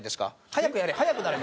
「速くやれ速くなれ」。